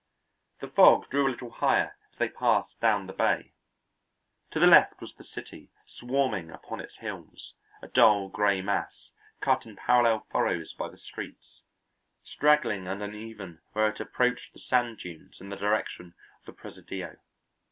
The fog drew a little higher as they passed down the bay. To the left was the city swarming upon its hills, a dull gray mass, cut in parallel furrows by the streets; straggling and uneven where it approached the sand dunes in the direction of the Presidio.